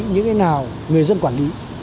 những cái nào người dân quản lý